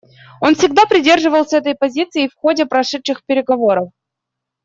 Он всегда придерживался этой позиции в ходе прошедших переговоров.